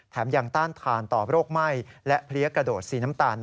ยังต้านทานต่อโรคไหม้และเพลี้ยกระโดดสีน้ำตาล